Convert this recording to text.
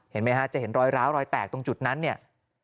เห็นไหมฮะจะเห็นรอยร้าวรอยแตกตรงจุดนั้นเนี่ย